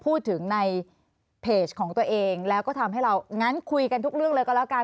พูดถึงในเพจของตัวเองแล้วก็ทำให้เรางั้นคุยกันทุกเรื่องเลยก็แล้วกัน